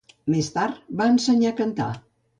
Més tard va ensenyar a cantar.